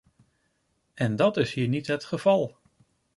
En dat is hier niet het geval!